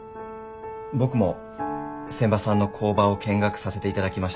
僕も仙波さんの工場を見学させていただきました。